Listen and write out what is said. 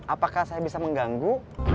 apakah saya bisa mengganggu